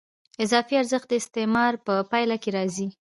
اضافي ارزښت د استثمار په پایله کې راځي